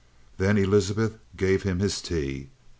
Then Elizabeth gave him his tea.